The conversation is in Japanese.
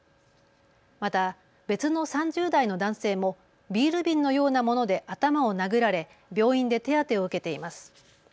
また別の３０代の男性もビール瓶のようなもので頭を殴られ病院で手当てを受けています。